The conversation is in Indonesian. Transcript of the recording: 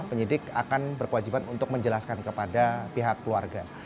penyidik akan berkewajiban untuk menjelaskan kepada pihak keluarga